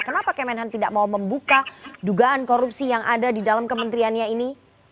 kenapa kemenhan tidak mau membuka dugaan korupsi yang ada di dalam kementeriannya ini